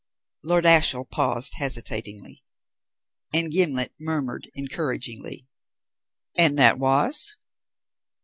Lord Ashiel paused hesitatingly, and Gimblet murmured encouragingly: "And that was?"